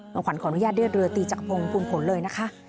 หวังขออนุญาตเรือตรีจักรพงษ์ภูมิผลเลยนะคะ